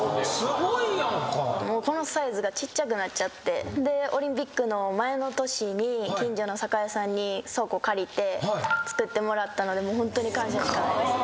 このサイズがちっちゃくなっちゃってオリンピックの前の年に近所の酒屋さんに倉庫借りて造ってもらったのでホントに感謝しかないです。